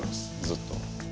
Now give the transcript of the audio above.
ずっと。